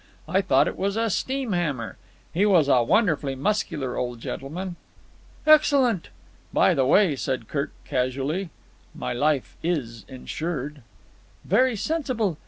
I thought it was a steam hammer. He was a wonderfully muscular old gentleman." "Excellent." "By the way," said Kirk casually, "my life is insured." "Very sensible.